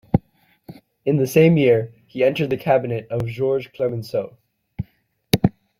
In the same year he entered the cabinet of Georges Clemenceau.